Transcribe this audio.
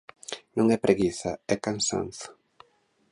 Non é preguiza, é cansazo.